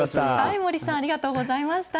森さん、ありがとうございました。